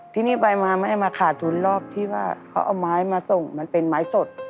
ที่นี่ไปมาแม่มาขาดทุนรอบที่ว่าเขาเอาไม้มาส่งมันเป็นไม้สด